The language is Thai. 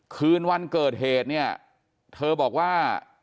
คืนวันเกิดเหตุเธอบอกว่า